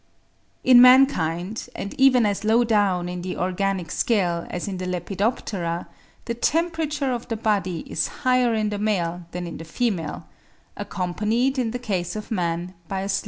In mankind, and even as low down in the organic scale as in the Lepidoptera, the temperature of the body is higher in the male than in the female, accompanied in the case of man by a slower pulse.